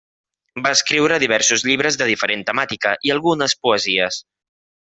Va escriure diversos llibres de diferent temàtica i algunes poesies.